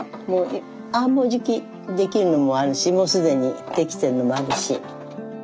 もうじき出来るのもあるしもう既に出来てるのもあるし。